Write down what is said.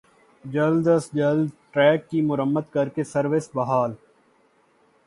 جلد از جلد ٹریک کی مرمت کر کے سروس بحال